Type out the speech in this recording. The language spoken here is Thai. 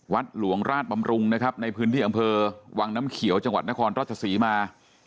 วัดหลวงราชบำรุงนะครับในพื้นที่อำเภอวังน้ำเขียวจังหวัดนครราชศรีมา